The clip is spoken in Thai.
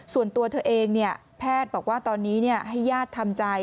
ส่วนตัวเธอเองแพทย์บอกว่าตอนนี้ให้ญาติทำใจ